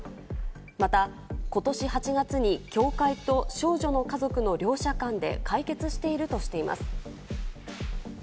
またことし８月に協会と少女の家族の両者間で解決しているとしています。